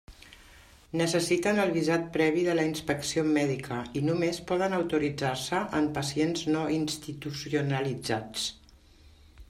Necessiten el visat previ de la inspecció mèdica i només poden autoritzar-se en pacients no institucionalitzats.